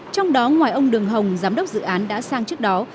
trong đó ngoài ông đường hồng giám đốc dự án đã sang trước đó